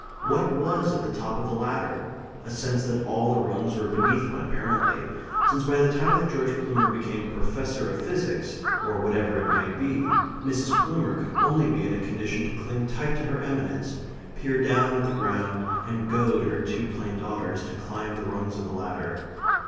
What was at the top of the ladder? A sense that all the rungs were beneath one apparently; since by the time that George Plumer became Professor of Physics, or whatever it might be, Mrs. Plumer could only be in a condition to cling tight to her eminence, peer down at the ground, and goad her two plain daughters to climb the rungs of the ladder.